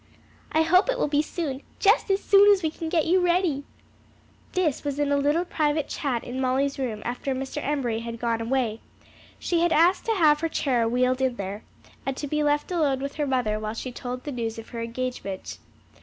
"I hope it will be soon, just as soon as we can get you ready." This was a little private chat in Molly's room after Mr. Embury had gone away. She had asked to have her chair wheeled in there, and to be left alone with her mother while she told her the news of her engagement.